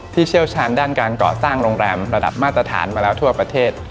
เชี่ยวชาญด้านการก่อสร้างโรงแรมระดับมาตรฐานมาแล้วทั่วประเทศ